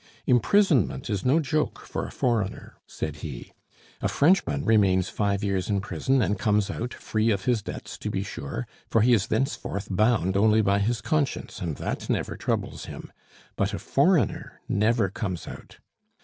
"Imprisonment is no joke for a foreigner," said he. "A Frenchman remains five years in prison and comes out, free of his debts to be sure, for he is thenceforth bound only by his conscience, and that never troubles him; but a foreigner never comes out.